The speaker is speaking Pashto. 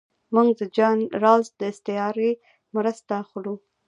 موږ د جان رالز د استعارې مرسته اخلو.